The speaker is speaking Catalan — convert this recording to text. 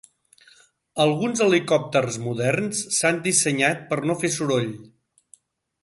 Alguns helicòpters moderns s'han dissenyat per no fer soroll.